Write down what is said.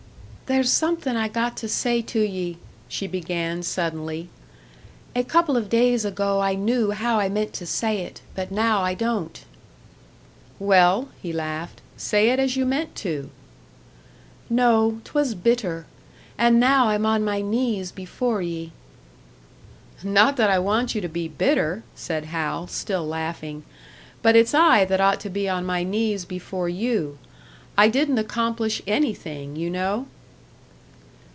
"There's somethin' I got to say to ye!" she began, suddenly. "A couple of days ago I knew how I meant to say it, but now I don't." "Well," he laughed, "say it as you meant to." "No; 'twas bitter and now I'm on my knees before ye." "Not that I want you to be bitter," said Hal, still laughing, "but it's I that ought to be on my knees before you. I didn't accomplish anything, you know."